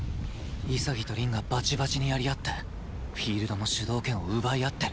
潔と凛がバチバチにやり合ってフィールドの主導権を奪い合ってる